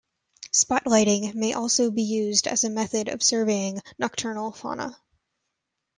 Spotlighting may also be used as a method of surveying nocturnal fauna.